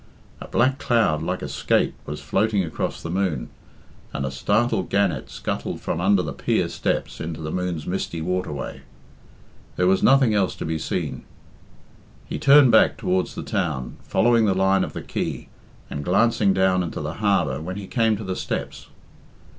A black cloud like a skate was floating across the moon, and a startled gannet scuttled from under the pier steps into the moon's misty waterway. There was nothing else to be seen. He turned back towards the town, following the line of the quay, and glancing down into the harbour when he came to the steps.